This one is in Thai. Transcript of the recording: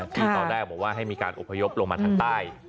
ที่ตอนแรกบอกว่าให้มีการอบพยพลงมาทางใต้